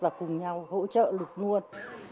và cùng nhau hỗ trợ lục nguồn